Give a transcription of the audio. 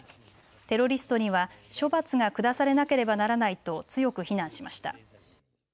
テロリストには処罰が下されなければならないと強く非難しました。